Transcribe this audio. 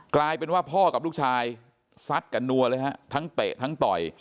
กลายเป็นว่าพ่อกับลูกชายซัดกันนัวเลยฮะทั้งเตะทั้งต่อย